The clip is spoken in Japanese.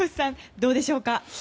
どうでしょうか。